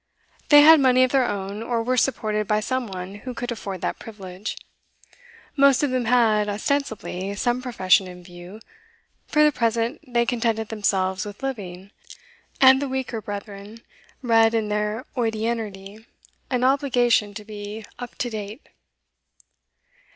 They had money of their own, or were supported by some one who could afford that privilege; most of them had, ostensibly, some profession in view; for the present, they contented themselves with living, and the weaker brethren read in their hodiernity an obligation to be 'up to date.